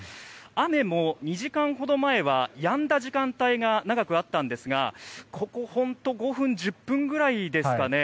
雨も２時間ほど前はやんだ時間帯が長くあったんですがここ５分、１０分くらいですかね